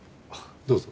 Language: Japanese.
どうぞ。